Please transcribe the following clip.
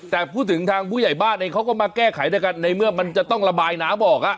แต่พูดถึงทางผู้ใหญ่บ้านเองเขาก็มาแก้ไขด้วยกันในเมื่อมันจะต้องระบายน้ำออก